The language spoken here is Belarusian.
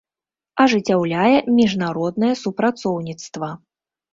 Ажыццяўляе мiжнароднае супрацоўнiцтва.